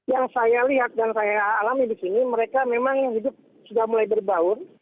yang saya lihat dan saya alami di sini mereka memang hidup sudah mulai berbaur